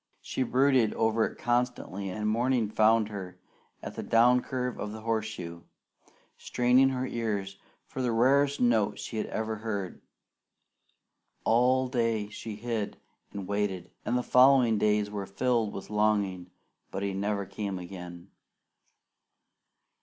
She brooded over it constantly, and morning found her at the down curve of the horseshoe, straining her ears for the rarest note she ever had heard. All day she hid and waited, and the following days were filled with longing, but he never came again.